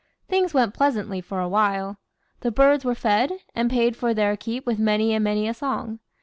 Things went pleasantly for awhile. The birds were fed, and paid for their keep with many and many a song.